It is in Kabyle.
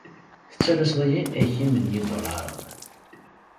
Tettalaseḍ-iyi agim n yidulaṛen.